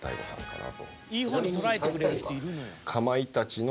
［いい方に捉えてくれる人いるのよ］